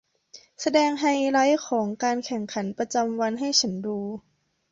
แสดงไฮไลท์ของการแข่งขันประจำวันให้ฉันดู